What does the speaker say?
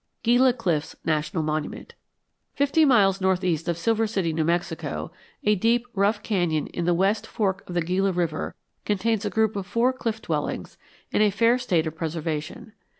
GILA CLIFFS NATIONAL MONUMENT Fifty miles northeast of Silver City, New Mexico, a deep rough canyon in the west fork of the Gila River contains a group of four cliff dwellings in a fair state of preservation.